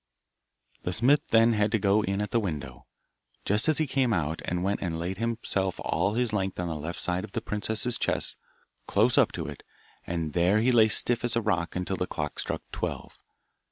The smith then had to go in at the window, just as he came out, and went and laid himself all his length on the left side of the princess's chest, close up to it, and there he lay stiff as a rock until the clock struck twelve.